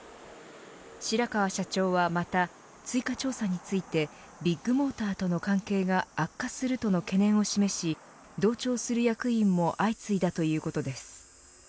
白川社長はまた追加調査についてビッグモーターとの関係が悪化するとの懸念を示し同調する役員も相次いだということです。